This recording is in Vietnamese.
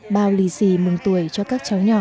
bao lì xì mừng tuổi cho các cháu nhỏ